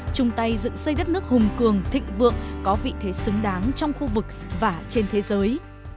chung tay dựng xây đất nước hùng cường thịnh vượng có vị thế xứng đáng trong khu vực và trên thế giới